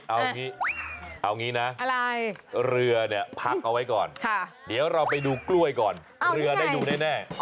เอางี้นะอะไรเรือเนี่ยพักเอาไว้ก่อนเดี๋ยวเราไปดูกล้วยก่อนเรือได้ดูแน่